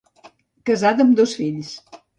Casada amb dos fills.